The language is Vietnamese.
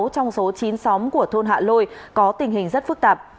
sáu trong số chín xóm của thôn hạ lôi có tình hình rất phức tạp